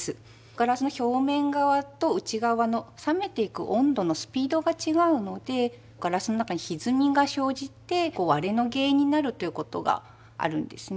ガラスの表面側と内側の冷めていく温度のスピードが違うのでガラスの中にひずみが生じて割れの原因になるということがあるんですね。